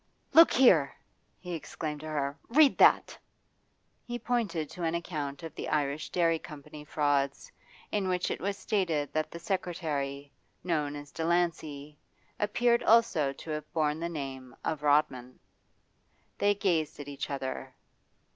'Look here!' he exclaimed to her. 'Read that!' He pointed to an account of the Irish Dairy Company frauds, in which it was stated that the secretary, known as Delancey, appeared also to have borne the name of Rodman. They gazed at each other.